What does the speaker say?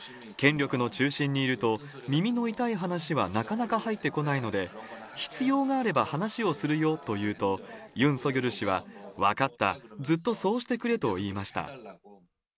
権力の中心にいると、耳の痛い話はなかなか入ってこないので、必要があれば話をするよと言うと、ユン・ソギョル氏は、分かった、ずっとそうしてくれと言いました。